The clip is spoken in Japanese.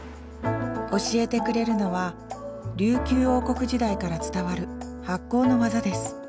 教えてくれるのは琉球王国時代から伝わる発酵の技です。